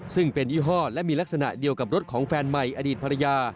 ซึ่งเป็นยี่ห้อและมีลักษณะเดียวกับรถของแฟนใหม่อดีตภรรยา